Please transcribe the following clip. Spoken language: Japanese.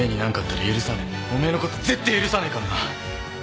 お前のこと絶対許さねえかんな。